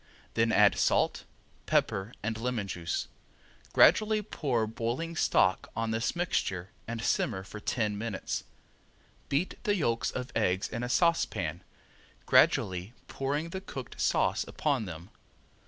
Then add salt, pepper and lemon juice. Gradually pour boiling stock on this mixture and simmer for ten minutes. Beat the yolks of eggs in a saucepan, gradually pouring the cooked sauce upon them.